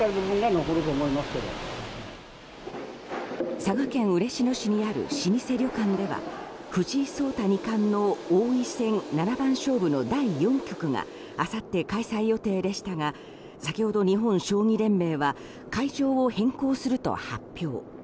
佐賀県嬉野市にある老舗旅館では藤井聡太二冠の王位戦七番勝負の第４局があさって開催予定でしたが先ほど日本将棋連盟は会場を変更すると発表。